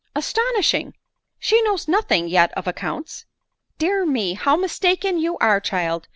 " Astonishing !. She knows nothing yet of accounts." " Dear me ! how mistaken you are, child!